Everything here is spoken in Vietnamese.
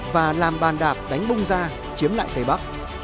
và làm bàn đạp đánh bung ra chiếm lại tây bắc